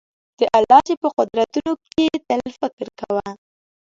د الله چي په قدرتونو کي تل فکر کوه